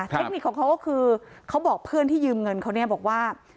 เทคนิคของเขาก็คือเขาบอกเพื่อนที่ยืมเงินเขาเนี่ยบอกว่า